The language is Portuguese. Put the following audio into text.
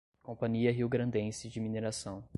Companhia Riograndense de Mineração